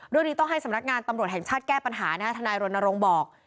เรื่องนี้ต้องให้สำนักงานตำรวจแห่งชาติแก้ปัญหานะฮะทนายรณรงค์บอก